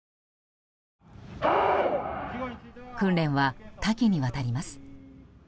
訓練は多岐にわたります。